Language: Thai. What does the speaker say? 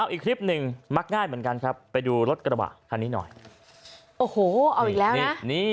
อีกคลิปหนึ่งมักง่ายเหมือนกันครับไปดูรถกระบะคันนี้หน่อยโอ้โหเอาอีกแล้วนี่